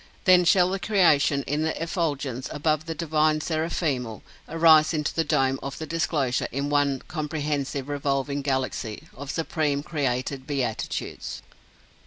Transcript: Then shall the creation in the effulgence above the divine seraphemal, arise into the dome of the disclosure in one comprehensive revolving galaxy of supreme created beatitudes."